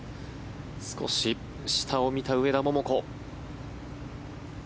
少し下を見た上田桃子。